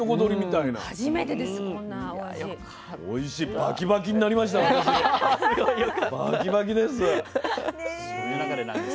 バキバキです。